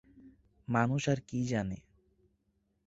মানুষ আর কী জানে?